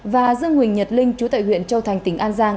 và dương huỳnh nhật linh chú tại huyện châu thành tỉnh an giang